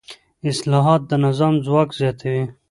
اصلاحات د نظام ځواک زیاتوي